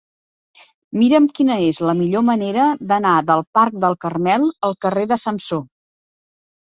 Mira'm quina és la millor manera d'anar del parc del Carmel al carrer de Samsó.